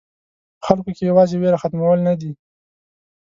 په خلکو کې یوازې وېره ختمول نه دي.